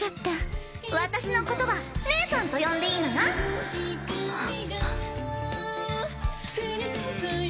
私のことは義姉さんと呼んでいいのよあっ。